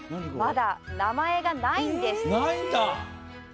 まだ名前がないんです。